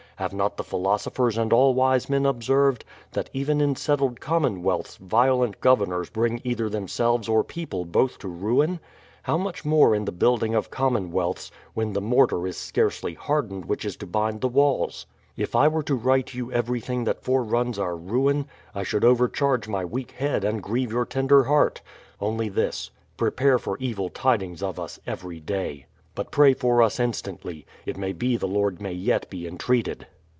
Have not the philosophers and all wise men observed, that even in settled commonwealths violent governors bring either themselves or people or both to ruin? How much more in the building of commonwealths, when the mortar is scarcely hardened which is to bind the walls. If I were to write you everything that foreruns our ruin, I should overcharge my weak head and grieve your tender heart; only this, — prepare for evil tidings of us every day. But pray for us instantly. It may be the Lord may yet be entreated.